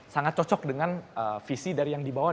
sangat cocok dengan visi dari yang dibawakan umkm